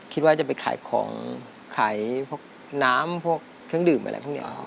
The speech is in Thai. คิดว่าจะไปขายของขายพวกน้ำพวกเครื่องดื่มอะไรพวกนี้